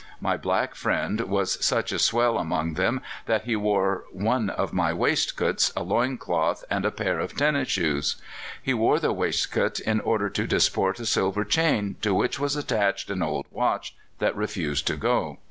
My black friend was such a swell among them that he wore one of my waistcoats, a loin cloth, and a pair of tennis shoes. He wore the waistcoat in order to disport a silver chain, to which was attached an old watch that refused to go.